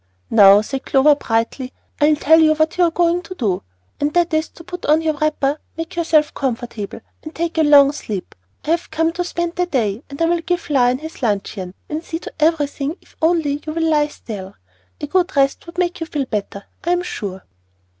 "Now," said Clover, brightly, "I'll tell you what you are going to do; and that is to put on your wrapper, make yourself comfortable, and take a long sleep. I have come to spend the day, and I will give Lion his luncheon and see to everything if only you will lie still. A good rest would make you feel better, I am sure."